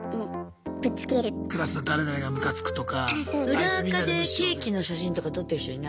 裏アカでケーキの写真とか撮ってる人いないの？